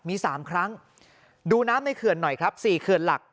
มี๓ครั้งดูน้ำในเขื่อนหน่อยครับ๔เขื่อนหลัก